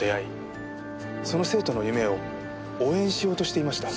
その生徒の夢を応援しようとしていました。